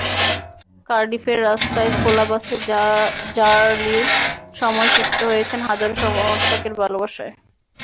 কার্ডিফের রাস্তায় খোলা বাসে র্যা লির সময় সিক্ত হয়েছেন হাজারও সমর্থকের ভালোবাসায়।